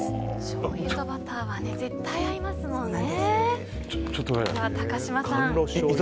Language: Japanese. しょうゆとバターは絶対に合いますもんね。